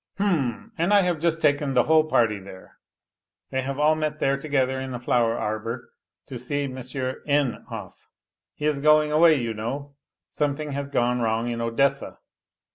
" H'm ... and I have just taken the whole party there. They have all met there together in the flower arbour to see N. off. He is going away, you know. ... Something has gone wrong in Odessa.